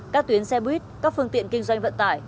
các tuyến xe buýt các phương tiện kinh doanh vận tải